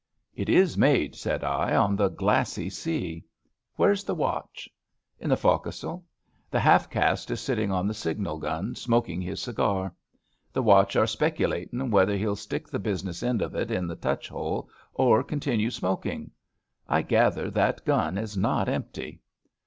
* It is made,' said I, * on the Glassy Sea. Where's the watch? '* In the fo'c'sle. The half caste is sitting on the signal gun smoking his cigar. The watch are speculatin' whether he'U stick the busi ness end of it in the touch hole or continue smok ing. I gather that gun is not empty.'